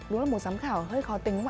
đúng là một giám khảo hơi khó tính